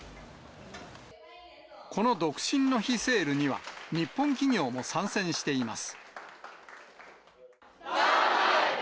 この独身の日セールには、日本企業も参戦しています。